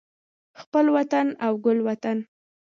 خپل وطن او ګل وطن